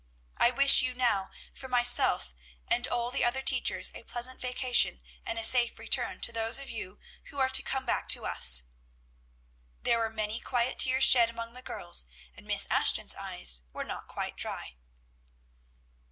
I wish you now, for myself and all the other teachers, a pleasant vacation, and a safe return to those of you who are to come back to us." There were many quiet tears shed among the girls, and Miss Ashton's eyes were not quite dry.